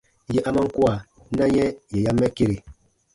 Yè a man kua, na yɛ̃ yè ya mɛ kere.